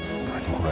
これ。